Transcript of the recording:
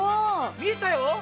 見えたよ！